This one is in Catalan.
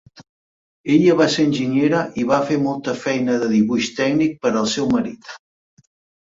Ella va ser enginyera i va fer molta feina de dibuix tècnic per al seu marit.